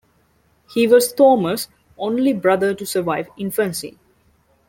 He was Thomas' only brother to survive infancy.